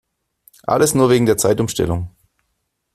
Alles nur wegen der Zeitumstellung!